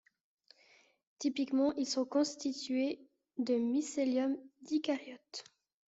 Typiquement, ils sont constitués de mycélium dicaryotes.